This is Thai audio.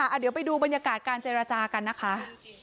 เดี๋ยวไปดูบรรยากาศการเจรจากันนะคะ